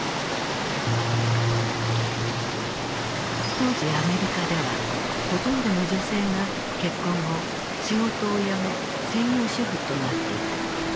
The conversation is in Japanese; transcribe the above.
当時アメリカではほとんどの女性が結婚後仕事を辞め専業主婦となっていた。